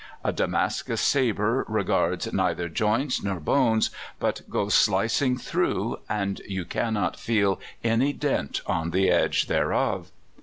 A Damascus sabre regards neither joints nor bones, but goes slicing through, and you cannot feel any dint on the edge thereof.